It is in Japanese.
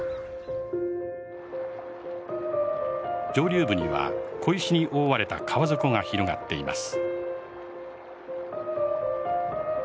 上流部には小石に覆われた川底が広がっています。